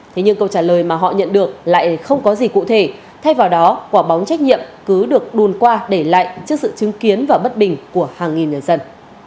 thế nhưng câu trả lời mà họ nhận được lại không có gì cụ thể thay vào đó quả bóng trách nhiệm cứ được đun qua để lại trước sự chứng kiến và bất bình của hàng nghìn nhà dân